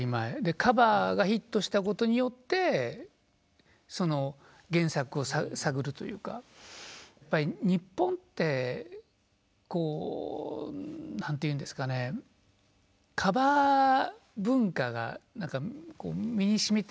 カバーがヒットしたことによってその原作を探るというかやっぱり日本ってこう何ていうんですかね女性の歌なわけですよね。